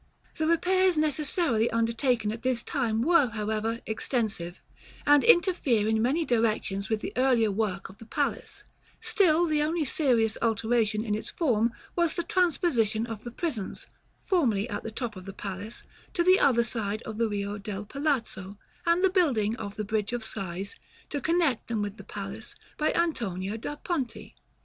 § XXIX. The repairs necessarily undertaken at this time were however extensive, and interfere in many directions with the earlier work of the palace: still the only serious alteration in its form was the transposition of the prisons, formerly at the top of the palace, to the other side of the Rio del Palazzo; and the building of the Bridge of Sighs, to connect them with the palace, by Antonio da Ponte.